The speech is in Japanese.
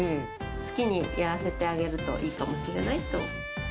好きにやらせてあげるといいかもしれないと。